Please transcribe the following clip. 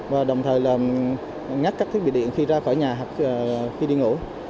và đồng thời ngắt các thiết bị điện khi ra khỏi nhà hoặc khi đi ngủ